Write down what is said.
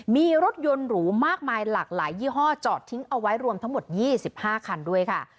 มีรถยนต์หรูมากมายหลากหลายยี่ห้อจอดทิ้งเอาไว้รวมทั้งหมด๒๕คันด้วยค่ะ